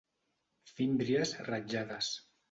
Fímbries ratllades.